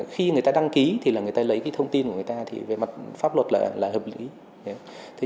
khi người ta đăng ký người ta lấy thông tin của người ta về mặt pháp luật là hợp lý